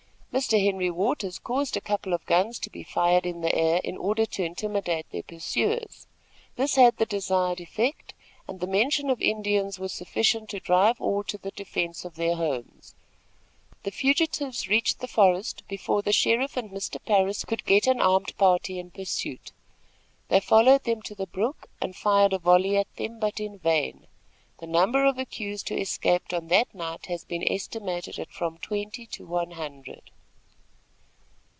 Mr. Henry Waters caused a couple of guns to be fired in the air in order to intimidate their pursuers. This had the desired effect, and the mention of Indians was sufficient to drive all to the defense of their homes. The fugitives reached the forest before the sheriff and Mr. Parris could get an armed party in pursuit. They followed them to the brook, and fired a volley at them, but in vain. The number of accused who escaped on that night, has been estimated at from twenty to one hundred.